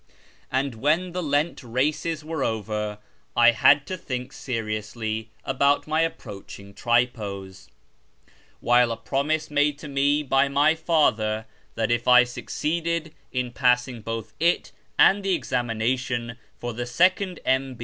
And when the Lent races were over, I had to think seriously about my approaching tripos ; while a promise made to me by my father, that if I succeeded in passing both it and the examination for the second M.